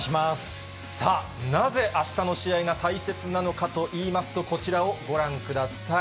さあ、なぜあしたの試合が大切なのかといいますと、こちらをご覧ください。